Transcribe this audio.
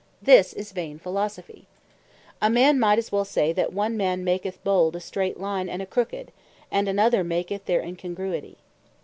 This is Vain Philosophy. A man might as well say, that one man maketh both a streight line, and a crooked, and another maketh their Incongruity.